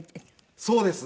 そうです。